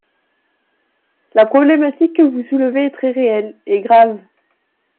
La problématique que vous soulevez est très réelle, et grave.